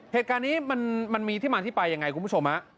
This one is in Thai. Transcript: เหตุการณ์นี้มันมีที่มาที่ไปยังไงคุณผู้ชมฮะ